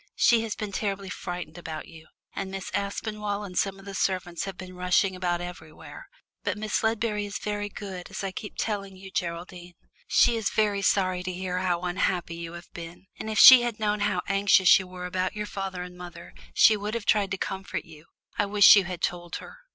"She had been terribly frightened about you, and Miss Aspinall and some of the servants had been rushing about everywhere. But Miss Ledbury is very good, as I keep telling you, Geraldine. She is very sorry to hear how unhappy you have been, and if she had known how anxious you were about your father and mother she would have tried to comfort you. I wish you had told her."